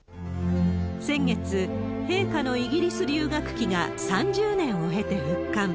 先月、陛下のイギリス留学記が３０年を経て復刊。